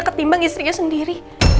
ketimbang istrinya sendiri